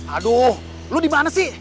aduh lu dimana sih